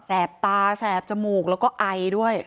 แปบตาแสบจมูกแล้วก็ไอด้วย